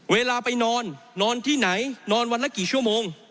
เวลาไปนอนนอนที่ไหนนอนวันละกี่ชั่วโมง